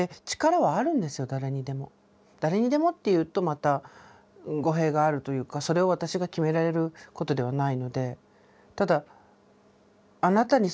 誰にでもっていうとまた語弊があるというかそれを私が決められることではないので。